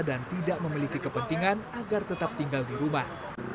dan tidak memiliki kepentingan agar tetap tinggal di rumah